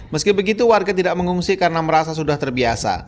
meski begitu warga tidak mengungsi karena merasa sudah terbiasa